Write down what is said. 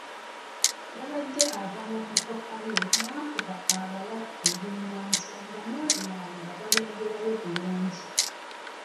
Yabadde ava mu mmotoka ye n’akuba abalabi ebimyanso nga n'e Bunaayira balengerayo bulungi.